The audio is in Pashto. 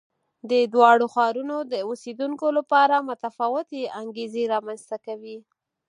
د دواړو ښارونو د اوسېدونکو لپاره متفاوتې انګېزې رامنځته کوي.